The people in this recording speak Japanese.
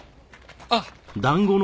あっ。